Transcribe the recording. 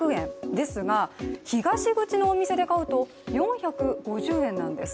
ですが、東口のお店で買うと４５０円なんです。